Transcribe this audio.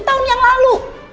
tujuh tahun yang lalu